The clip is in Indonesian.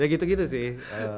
ya gitu gitu sih